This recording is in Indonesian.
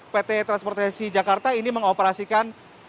pt transportasi jakarta ini mengoperasikan